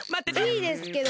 いいですけど。